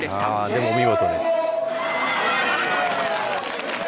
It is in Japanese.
でも見事です。